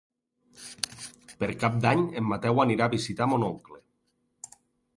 Per Cap d'Any en Mateu anirà a visitar mon oncle.